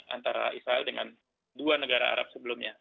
antara israel dengan dua negara arab sebelumnya